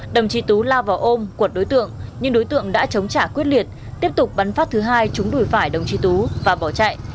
đồng chí tú la vào ôm cuột đối tượng nhưng đối tượng đã chống trả quyết liệt tiếp tục bắn phát thứ hai chúng đùi phải đồng chí tú và bỏ chạy